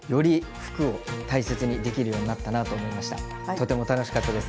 とても楽しかったです。